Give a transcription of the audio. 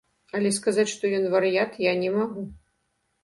Але сказаць, што ён вар'ят, я не магу.